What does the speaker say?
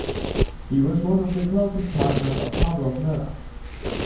He was one of the closest partners of Pavlos Melas.